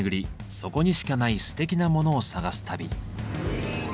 そこにしかないすてきなモノを探す旅。